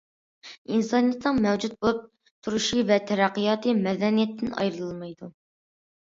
ئىنسانىيەتنىڭ مەۋجۇت بولۇپ تۇرۇشى ۋە تەرەققىياتى مەدەنىيەتتىن ئايرىلالمايدۇ.